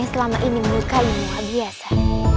yang selama ini menyukaimu abiasa